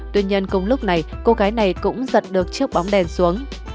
tuy nhiên cùng lúc này cô gái này cũng giật được chiếc bóng đèn xuống